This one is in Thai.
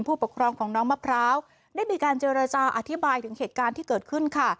ผู้ปกครองของน้องมะพร้าวได้มีการเจรจาอธิบายถึงเหตุการณ์ที่เกิดขึ้นค่ะ